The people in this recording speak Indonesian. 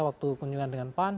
waktu kunjungan dengan pan